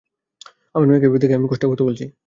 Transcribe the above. আমার মেয়েকে এভাবে দেখে আমি কষ্টে কথা বলছি।